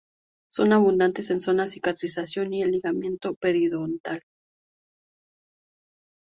Son abundantes en zonas de cicatrización y en el ligamento periodontal.